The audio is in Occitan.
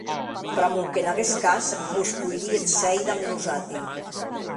Pr'amor qu'en aguest cas vos poiríetz sèir damb nosati.